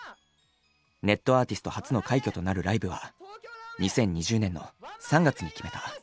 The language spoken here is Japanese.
ネットアーティスト初の快挙となるライブは２０２０年の３月に決めた。